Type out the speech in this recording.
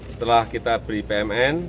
setelah kita beri pmn